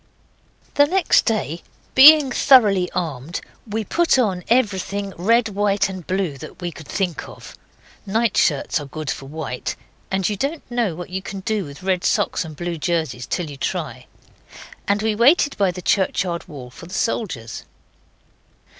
The next day, being thoroughly armed, we put on everything red, white and blue that we could think of night shirts are good for white, and you don't know what you can do with red socks and blue jerseys till you try and we waited by the churchyard wall for the soldiers.